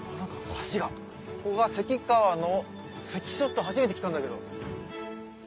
ここが関川の関所って初めて来たんだけど。